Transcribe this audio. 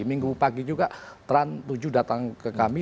minggu pagi juga trans tujuh datang ke kami